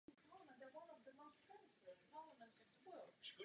La Mancha je největší náhorní plošinou Španělska.